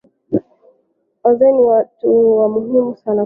Wazee ni watu wa muhimu sana kwa jamii